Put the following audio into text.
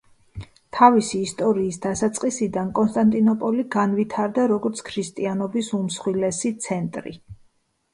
თავისი ისტორიის დასაწყისიდან კონსტანტინოპოლი განვითარდა როგორც ქრისტიანობის უმსხვილესი ცენტრი.